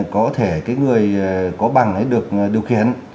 có thể người có bằng được điều khiển